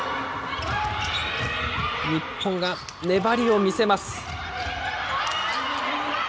日本が粘りを見せます。